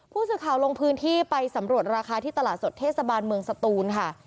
ผู้สื่อข่าวลงพื้นที่ไปสำรวจราคาที่ตลาดสดเทศบาลเมืองสตูนค่ะ